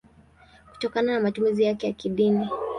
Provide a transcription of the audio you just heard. kutokana na matumizi yake ya kidini.